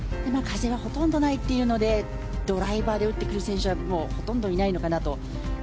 風はほとんどないというのでドライバーで打ってくる選手はほとんどいないのかなと。